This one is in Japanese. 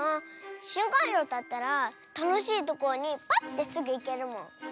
しゅんかんいどうだったらたのしいところにパッてすぐいけるもん。